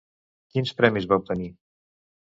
Quins premis va obtenir?